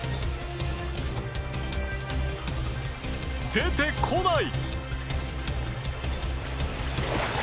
出てこない！